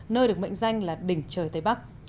nơi được mệnh danh là đỉnh trời tây bắc